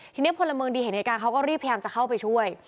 ทีนี้พลเมืองดีเห็นเหตุการณ์เขาก็รีบพยายามจะเข้าไปช่วย